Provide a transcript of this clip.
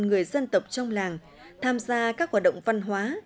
người dân tộc trong làng tham gia các hoạt động văn hóa